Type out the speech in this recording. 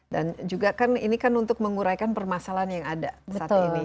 dan juga kan ini kan untuk menguraikan permasalahan yang ada saat ini